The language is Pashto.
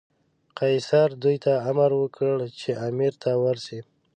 قیصر دوی ته امر وکړ چې امیر ته ورسي.